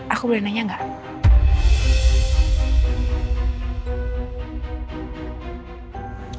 aku boleh nanya gak